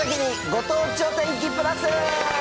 ご当地お天気プラス。